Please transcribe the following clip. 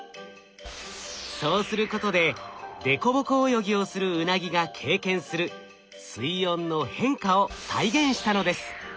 そうすることで凸凹泳ぎをするウナギが経験する水温の変化を再現したのです。